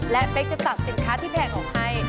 และเป๊กจะตักสินค้าที่แพงออกให้